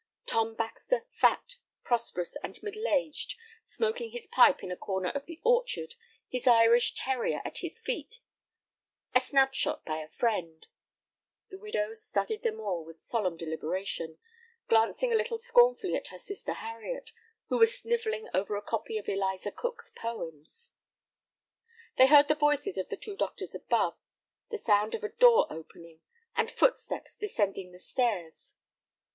Tom Baxter, fat, prosperous, and middle aged, smoking his pipe in a corner of the orchard, his Irish terrier at his feet; a snapshot by a friend. The widow studied them all with solemn deliberation, glancing a little scornfully at her sister Harriet, who was snivelling over a copy of Eliza Cook's poems. They heard the voices of the two doctors above, the sound of a door opening, and footsteps descending the stairs.